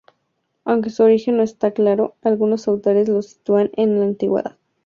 Aunque su origen no está claro, algunos autores lo sitúan en la antigüedad.